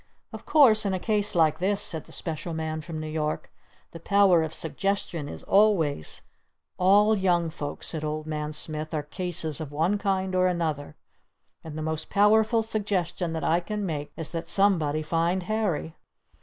"Of course, in a case like this," said the Special Man from New York, "the Power of Suggestion is always " "All young folks," said Old Man Smith, "are cases of one kind or another and the most powerful suggestion that I can make is that somebody find 'Harry!'"